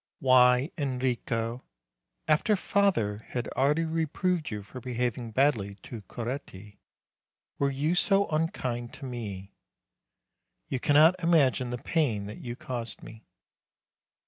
Why, Enrico, after father had already reproved you for behaving badly to Coretti, were you so unkind to me? You cannot imagine the pain that you caused me.